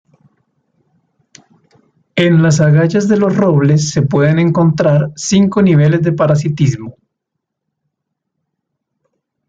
En las agallas de los robles se pueden encontrar cinco niveles de parasitismo.